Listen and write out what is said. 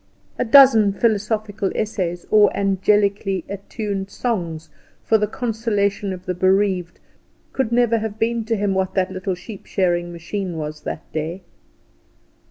A dozen philosophical essays, or angelically atuned songs for the consolation of the bereaved, could never have been to him what that little sheep shearing machine was that day.